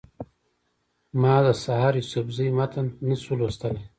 ما د سحر یوسفزي متن نه شو لوستلی.